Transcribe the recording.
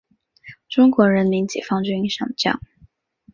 中国人民解放军上将。